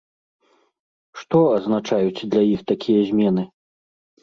Што азначаюць для іх такія змены?